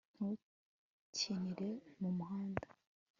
ntukinire mumuhanda